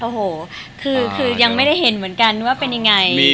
โอ้โหคือยังไม่ได้เห็นเหมือนกันว่าเป็นยังไง